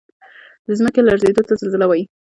د ځمکې لړزیدو ته زلزله وایي